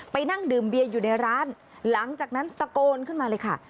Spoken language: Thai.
นั่งดื่มเบียร์อยู่ในร้านหลังจากนั้นตะโกนขึ้นมาเลยค่ะ